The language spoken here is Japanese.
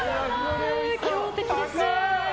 強敵ですね。